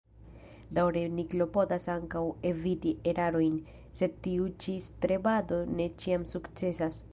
Daŭre ni klopodas ankaŭ eviti erarojn, sed tiu ĉi strebado ne ĉiam sukcesas.